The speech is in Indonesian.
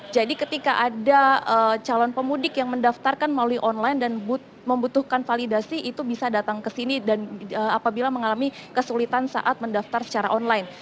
jadi ketika ada calon pemudik yang mendaftarkan melalui online dan membutuhkan validasi itu bisa datang ke sini apabila mengalami kesulitan saat mendaftar secara online